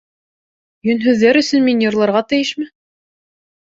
— Йөнһөҙҙәр өсөн мин йырларға тейешме?